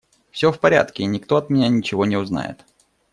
Все в порядке, и никто от меня ничего не узнает.